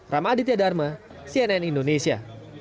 ramaditya dharma cnn indonesia